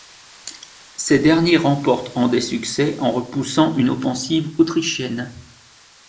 Ces derniers remportent en des succès en repoussant une offensive autrichienne.